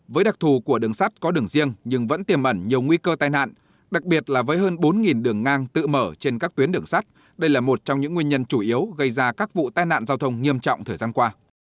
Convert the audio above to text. với đặc thù của đường sắt có đường riêng nhưng vẫn tiềm ẩn nhiều nguy cơ tai nạn đặc biệt là với hơn bốn đường ngang tự mở trên các tuyến đường sắt đây là một trong những nguyên nhân chủ yếu gây ra các vụ tai nạn giao thông nghiêm trọng thời gian qua